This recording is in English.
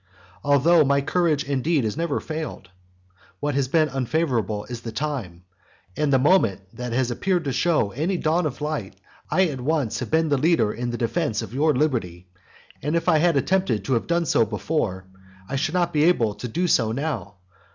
Although my courage indeed has never failed; what has been unfavourable is the time; and the moment that that has appeared to show any dawn of light, I at once have been the leader in the defence of your liberty. And if I had attempted to have done so before, I should not be able to do so now.